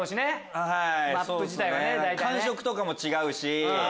感触とかも違うし。